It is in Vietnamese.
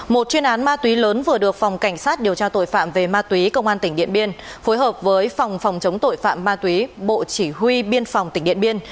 một chuyên án ma túy lớn vừa được phòng cảnh sát điều tra tội phạm về ma túy công an tỉnh điện biên phối hợp với phòng phòng chống tội phạm ma túy bộ chỉ huy biên phòng tỉnh điện biên